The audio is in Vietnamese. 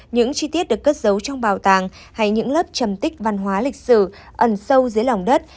những chi tiết được cất giấu trong bào tàng hay những lớp chầm tích văn hóa lịch sử ẩn sâu dưới lỏng đất